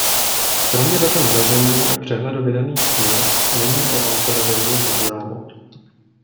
Kromě data narození a přehledu vydaných knih není o autorovi nic známo.